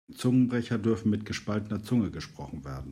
Zungenbrecher dürfen mit gespaltener Zunge gesprochen werden.